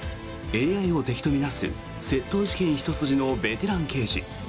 ＡＩを敵と見なす窃盗事件ひと筋のベテラン刑事。